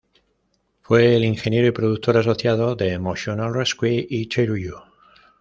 Fue el ingeniero y productor asociado de "Emotional Rescue" y "Tattoo You".